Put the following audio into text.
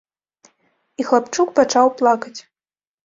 І хлапчук пачаў плакаць.